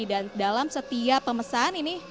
dan dalam setiap pemesan ini